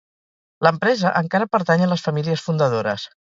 L'empresa encara pertany a les famílies fundadores.